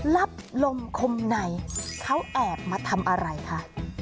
รับลมคมในเขาแอบมาทำอะไรคะ